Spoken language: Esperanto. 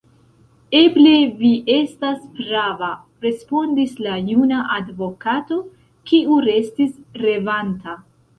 Eble vi estas prava, respondis la juna adokato, kiu restis revanta.